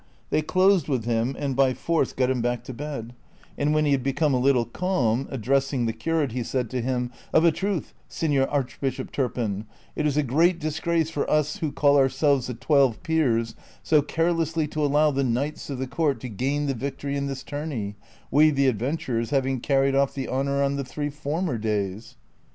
They closed with him and by force got him back to bed, and when he had become a little calm, addressing the curate, he said to him, " Of a truth, Seiior Archbishop Turpin,^ it is a great disgrace for us who call ourselves the Twelve Peers, so carelessly to allow the knights of the (A)urt to gain the victory in this tourney, we the adventurers having carried off the honor on the three former days."